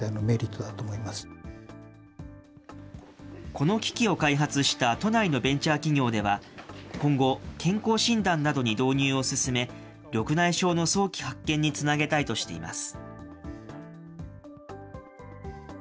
この機器を開発した都内のベンチャー企業では、今後、健康診断などに導入を進め、緑内障の早期発見につなげたいとしています。